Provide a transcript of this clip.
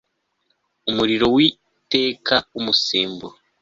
umuriro w iteka w umusemburo